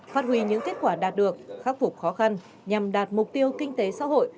phát huy những kết quả đạt được khắc phục khó khăn nhằm đạt mục tiêu kinh tế xã hội